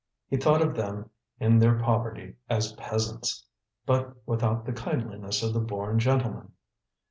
He thought of them in their poverty as "peasants," but without the kindliness of the born gentleman.